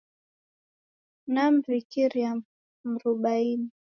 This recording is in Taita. Namw'ikiria Mrubaini.